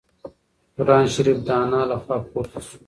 قرانشریف د انا له خوا پورته شو.